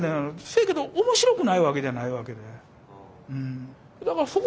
せやけど面白くないわけじゃないわけね。